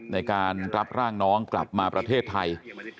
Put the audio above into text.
ในการรับร่างน้องกลับมาประเทศไทย